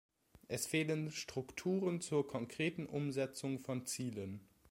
Es fehlen Strukturen zur konkreten Umsetzung von Zielen.